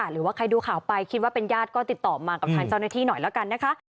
หรือว่าใครดูข่าวไปคิดว่าเป็นญาติก็ติดต่อมากับทางเจ้าหน้าที่หน่อยแล้วกันนะคะ